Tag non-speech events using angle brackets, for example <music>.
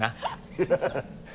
ハハハ <laughs>